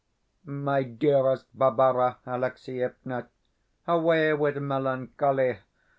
MY DEAREST BARBARA ALEXIEVNA Away with melancholy!